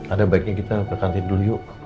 ada baiknya kita ke kantip dulu yuk